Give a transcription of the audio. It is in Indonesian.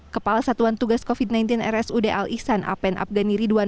kepala satuan tugas covid sembilan belas rsud al ihsan apen abgani ridwan